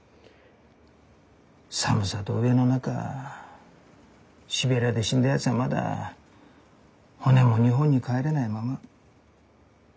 寒さと飢えの中シベリアで死んだやつはまだ骨も日本に帰れないまま。